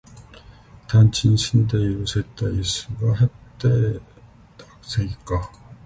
車を使う人が減ったせいか、団地に住んでいる世帯数が減ったせいか